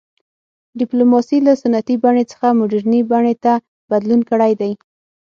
ډیپلوماسي له سنتي بڼې څخه مډرنې بڼې ته بدلون کړی دی